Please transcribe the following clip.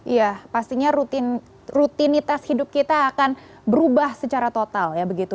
iya pastinya rutinitas hidup kita akan berubah secara total ya begitu